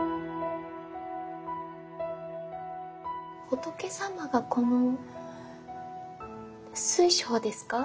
仏様がこの水晶ですか？